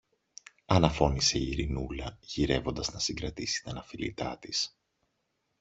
αναφώνησε η Ειρηνούλα, γυρεύοντας να συγκρατήσει τ' αναφιλητά της.